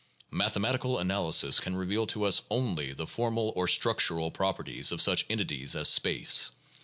Mathematical analysis can reveal to us only the formal or structural properties of such entities as space.